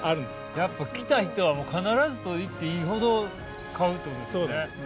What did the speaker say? ◆やっぱ来た人は必ずといっていいほど買うということですね。